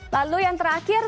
lalu yang terakhir